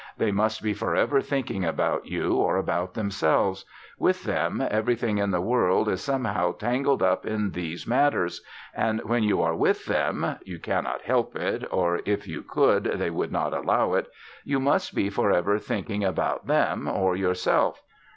They must be forever thinking about you or about themselves; with them everything in the world is somehow tangled up in these matters; and when you are with them (you cannot help it, or if you could they would not allow it), you must be forever thinking about them or yourself.